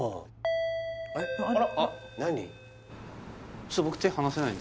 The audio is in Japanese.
何？